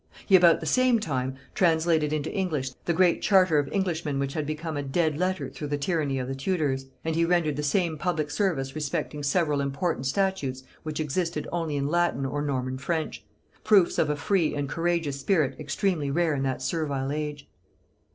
He about the same time translated into English the great charter of Englishmen which had become a dead letter through the tyranny of the Tudors; and he rendered the same public service respecting several important statutes which existed only in Latin or Norman French; proofs of a free and courageous spirit extremely rare in that servile age!